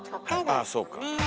あっそうか。